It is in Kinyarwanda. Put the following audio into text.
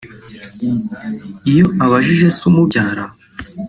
Iyo ubajije se umubyara